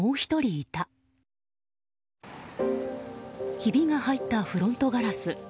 ひびが入ったフロントガラス。